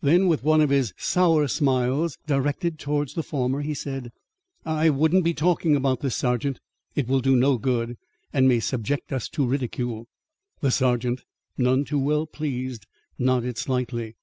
Then, with one of his sour smiles directed towards the former, he said: "I wouldn't be talking about this, sergeant. It will do no good, and may subject us to ridicule." The sergeant, none too well pleased, nodded slightly.